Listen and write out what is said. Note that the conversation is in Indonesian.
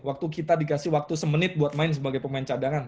waktu kita dikasih waktu semenit buat main sebagai pemain cadangan